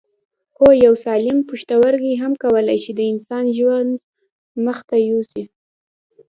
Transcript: هو یو سالم پښتورګی هم کولای شي د انسان ژوند مخ ته یوسي